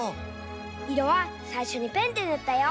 いろはさいしょにペンでぬったよ。